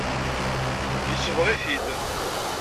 Yesbeɣ-it-id.